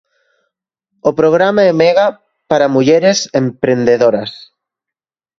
O programa Emega, para mulleres emprendedoras.